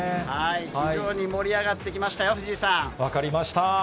非常に盛り上がってきました分かりました。